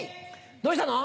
どうしたの？